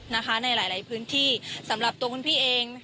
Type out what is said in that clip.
ในหลายพื้นที่สำหรับตัวคุณพี่เอง